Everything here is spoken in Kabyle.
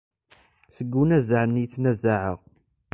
Seg unazaɛ nni i ttnazaɛeɣ.